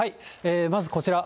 まずこちら、